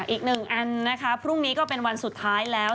อีกหนึ่งอันนะคะพรุ่งนี้ก็เป็นวันสุดท้ายแล้ว